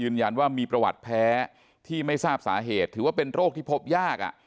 ยืนยันว่ามีประวัติแพ้ที่ไม่ทราบสาเหตุถือว่าเป็นโรคที่พบยาก